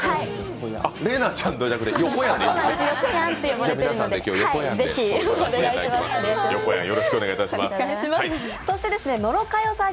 玲奈ちゃんとかじゃなくて、よこやん。